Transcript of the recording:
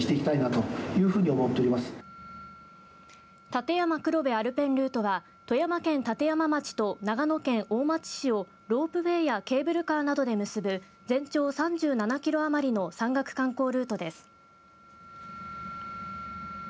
立山黒部アルペンルートは富山県立山町と長野県大町市をロープウエーやケーブルカーなどで結ぶ全長３７キロ余りの山岳観光ルートです。